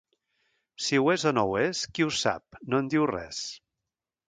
Si ho és o no ho és, qui ho sap, no en diu res.